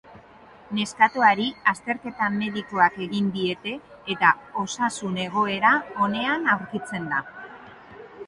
Neskatoari azterketa medikoak egin diete eta osasun egoera onean aurkitzen da.